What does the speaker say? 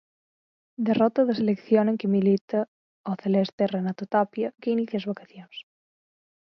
Derrota da selección en que milita o celeste Renato Tapia, que inicia as vacacións.